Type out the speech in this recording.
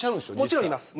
もちろんいます。